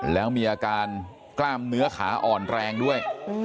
แล้วมีอาการกล้ามเนื้อขาอ่อนแรงด้วย